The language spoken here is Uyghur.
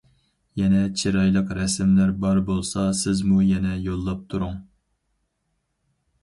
يەنە چىرايلىق رەسىملەر بار بولسا سىزمۇ يەنە يوللاپ تۇرۇڭ.